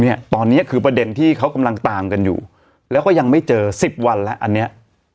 เนี้ยตอนเนี้ยคือประเด็นที่เขากำลังตามกันอยู่แล้วก็ยังไม่เจอสิบวันแล้วอันเนี้ย